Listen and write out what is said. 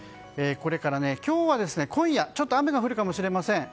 今日は今夜ちょっと雨が降るかもしれません。